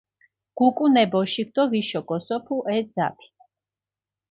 გუკუნ ე ბოშიქ დო ვიშო გოსოფუ ე ძაფი.